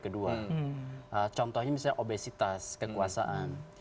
kedua contohnya obesitas kekuasaan